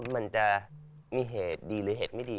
มันจะมีเหตุดีหรือเหตุไม่ดี